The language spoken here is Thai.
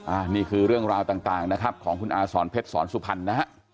อันนี้คือเรื่องราวต่างนะครับของคุณอาสอนเพชรสอนสุพรรณนะฮะ